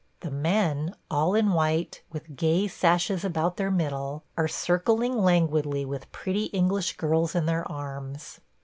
The men, all in white, with gay sashes about their middle, are circling languidly with pretty English girls in their arms.